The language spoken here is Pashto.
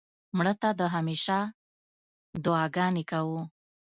مړه ته د همېشه دعا ګانې کوو